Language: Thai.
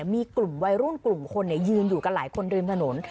มีกลุ่มวัยรุ่นกลุ่มคนยืนอยู่กันหลายคนริมถนน